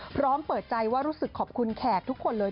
พร้อมเปิดใจว่ารู้สึกขอบคุณแขกทุกคนเลย